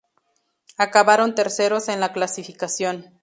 Acabaron terceros en la clasificación.